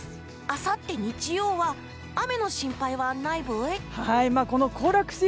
あさって日曜は雨の心配はないブイ？